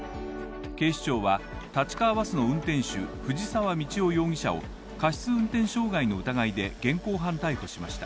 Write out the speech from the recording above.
警視庁は、立川バスの運転手藤沢道郎容疑者を過失運転傷害の疑いで現行犯逮捕しました。